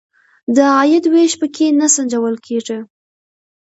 د عاید وېش په کې نه سنجول کیږي.